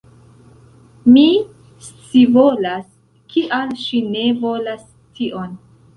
Mi scivolas kial ŝi ne volas tion!